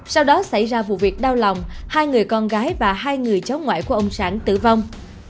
sau đó xảy ra vụ việc đau lòng hai người con gái và hai người cháu ngoại của ông sản tử vong